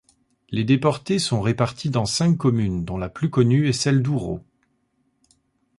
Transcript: Les déportés sont répartis dans cinq communes dont la plus connue est celle d'Ouro.